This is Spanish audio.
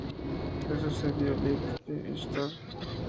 Le sucedió Lipit-Ishtar.